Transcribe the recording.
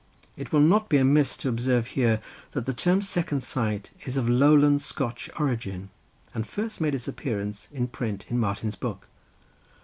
It will not be amiss to observe here that the term second sight is of Lowland Scotch origin, and first made its appearance in print in Martin's book.